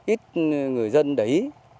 ít người dân đấy